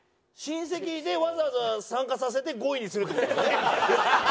親戚でわざわざ参加させて５位にするって事ね？